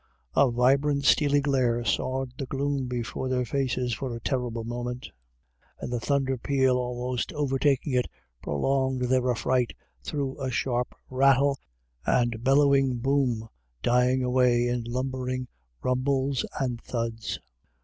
" A vibrant steely glare sawed the gloom before their faces for a terrible moment, and the thunder peal, almost overtaking it, prolonged their affright through a sharp rattle and bellowing boom, dying away in lumbering rumbles and thuds.